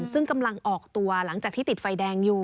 ซึ่งกำลังออกตัวหลังจากที่ติดไฟแดงอยู่